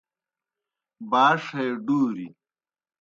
باݜ ہے ڈُوریْ